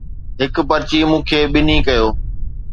هڪ پرچي مون کي ٻنهي ڪيو